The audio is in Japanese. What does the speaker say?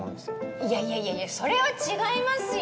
いやいやいやいやそれは違いますよ